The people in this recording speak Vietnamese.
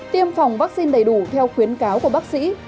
tiêm phòng vaccine đầy đủ theo khuyến cáo của bác sĩ